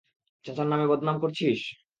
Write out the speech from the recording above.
চাচার নামে বদনাম করছিস।